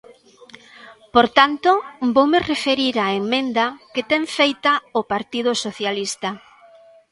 Por tanto, voume referir á emenda que ten feita o Partido Socialista.